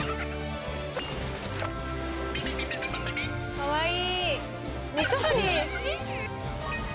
かわいい！